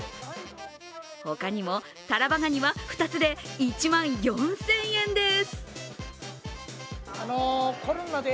他にも、たらばがには２つで１万４０００円です。